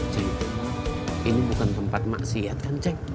cing ini bukan tempat maksiat kan ceng